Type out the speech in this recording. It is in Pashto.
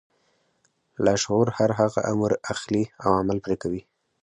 لاشعور هر هغه امر اخلي او عمل پرې کوي.